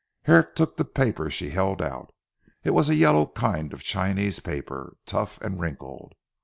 Herrick took the paper she held out. It was a yellow kind of Chinese paper, tough, and wrinkled.